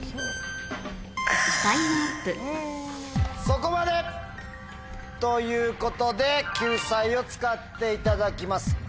そこまで！ということで救済を使っていただきます。